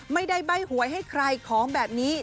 ไม่ได้ใบ้หวยให้ใครของแบบนี้